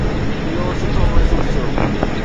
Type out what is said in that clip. اهو سٺو محسوس ٿيو